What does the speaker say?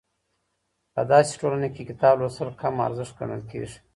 په دسې ټولنه کې کتاب لوستل کم ارزښت ګڼل کېږي.